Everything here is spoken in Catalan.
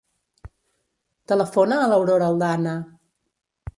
Telefona a l'Aurora Aldana.